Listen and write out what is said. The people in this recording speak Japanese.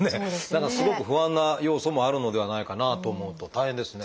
何かすごく不安な要素もあるのではないかなと思うと大変ですね。